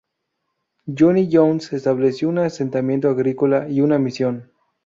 Johnny Jones estableció un asentamiento agrícola y una misión.